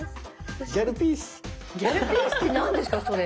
ギャルピースって何ですかそれ？